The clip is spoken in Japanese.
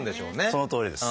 そのとおりです。